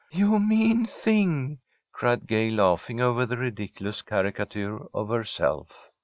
"You mean thing!" cried Gay, laughing over the ridiculous caricature of herself.